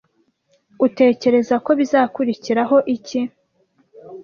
Utekereza ko bizakurikiraho iki?